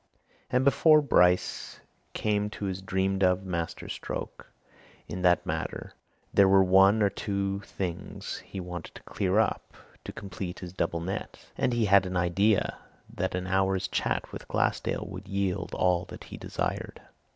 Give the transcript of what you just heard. And before Bryce came to his dreamed of master stroke in that matter, there were one or two things he wanted to clear up, to complete his double net, and he had an idea that an hour's chat with Glassdale would yield all that he desired.